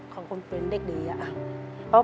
ของคนเป็นเด็กดีอะ